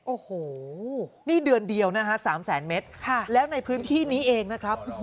โอ้โหนี่เดือนเดียวนะฮะ๓แสนเมตรแล้วในพื้นที่นี้เองนะครับ